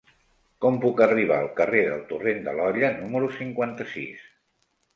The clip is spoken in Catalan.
Com puc arribar al carrer del Torrent de l'Olla número cinquanta-sis?